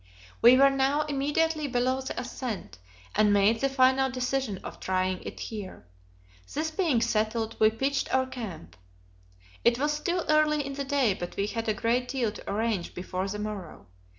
We were now immediately below the ascent, and made the final decision of trying it here. This being settled, we pitched our camp. It was still early in the day, but we had a great deal to arrange before the morrow.